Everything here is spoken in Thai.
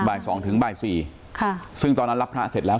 บ่ายสองถึงบ่ายสี่ค่ะซึ่งตอนนั้นรับพระเสร็จแล้ว